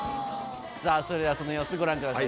さぁそれではその様子ご覧ください